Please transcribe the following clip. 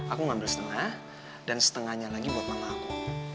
aku ngambil setengah dan setengahnya lagi buat mama aku